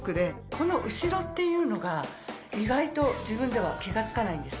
この後ろっていうのが意外と自分では気がつかないんです。